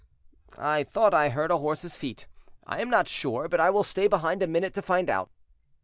"I thought I heard a horse's feet. I am not sure, but I will stay behind a minute to find out."